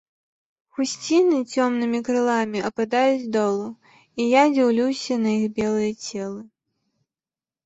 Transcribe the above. Хусціны цёмнымі крыламі ападаюць долу, і я дзіўлюся на іх белыя целы.